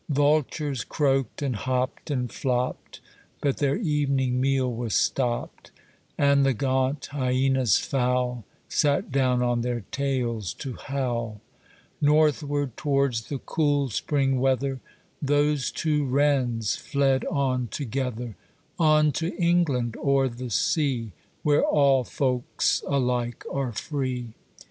Vultures croaked, and hopped, and flopped, But their evening meal was stopped. And the gaunt hyenas foul Sat down on their tails to howl. Northward towards the cool spring weather, Those two wrens fled on together, On to England o'er the sea, Where all folks alike are free.